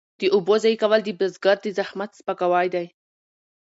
د اوبو ضایع کول د بزګر د زحمت سپکاوی دی.